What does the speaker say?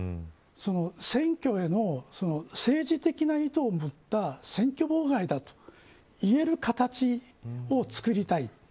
選挙への政治的な意図を持った選挙妨害だといえる形を作りたい。